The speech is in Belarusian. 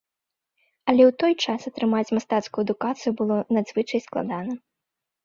Але ў той час атрымаць мастацкую адукацыю было надзвычай складана.